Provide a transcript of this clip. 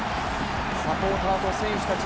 サポーターと選手たち